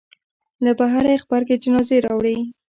له بهره یې غبرګې جنازې راوړې.